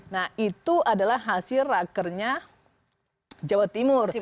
nah itu adalah hasil rakernya jawa timur